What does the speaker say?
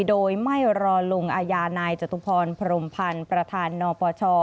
โดยไม่รอลงอาญานายจตุพรพรมพันธ์ประธานนปช